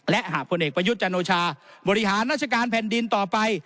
และหากพลเอกประยุทธ์จันโอชาบริหารราชการแผ่นดินต่อไป